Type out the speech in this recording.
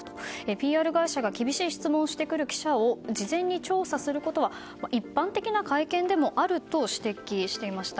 ＰＲ会社が厳しい質問をしてくる記者を事前に調査することは一般的な会見でもあると指摘していました。